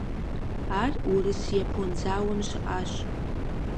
Ар Урыс-Япон зауэм щыӏащ.